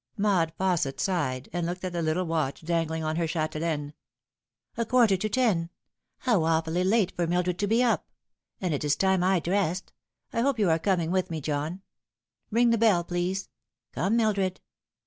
Maud Fausset sighed, and looked at the little watch dangling on her chatelaine. y A quarter to ten ! How awfully late for Mildred to be up ! And it is time I dressed. I hope you are coming with me, John. Ring the bell, please. Come, Mildred."